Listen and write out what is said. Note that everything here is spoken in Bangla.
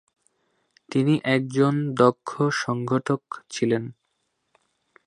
তিনি একজন দক্ষ সংগঠক ছিলেন।